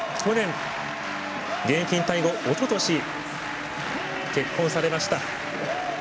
現役引退後、おととし結婚されました。